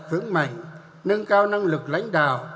khứng mạnh nâng cao năng lực lãnh đạo